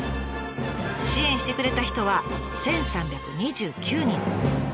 支援してくれた人は１，３２９人。